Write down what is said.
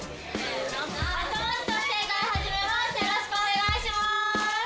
よろしくお願いします。